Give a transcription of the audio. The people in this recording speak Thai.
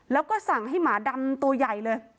แล้วก็สั่งให้หมาดำตัวใหญ่เลย